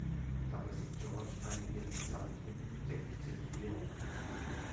Dabei sieht George eine ihren gesamten Rücken bedeckende Tätowierung.